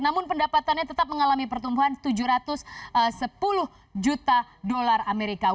namun pendapatannya tetap mengalami pertumbuhan tujuh ratus sepuluh juta dolar amerika